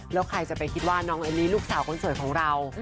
แล้วใครจะไปคิดว่าน้องเอลลี่ลูกสาวคนสวยของเรา